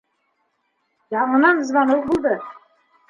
Яңынан звонок булды.